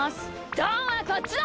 どんはこっちだ！